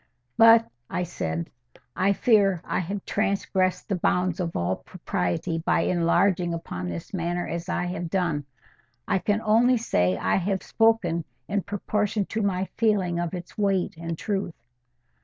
—But," I said, "I fear I have transgressed the bounds of all propriety by enlarging upon this matter as I have done. I can only say I have spoken in proportion to my feeling of its weight and truth."